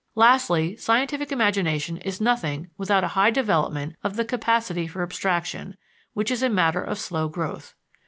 Lastly, scientific imagination is nothing without a high development of the capacity for abstraction, which is a matter of slow growth.